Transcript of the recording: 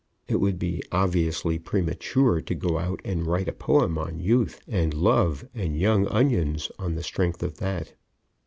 It would be obviously premature to go out and write a poem on Youth and Love and Young Onions on the strength of that.